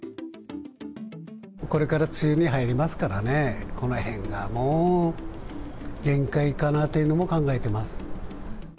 これから梅雨に入りますからね、このへんがもう限界かなというのも考えています。